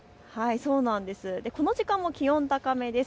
この時間も気温高めです。